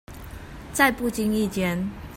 在不經意間